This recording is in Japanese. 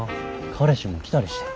彼氏も来たりして。